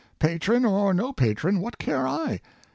Patron or no patron, what care I.